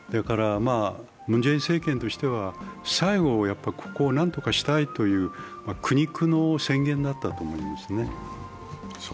ムン・ジェイン政権としては、最後ここを何とかしたいという苦肉の宣言だったと思いますね。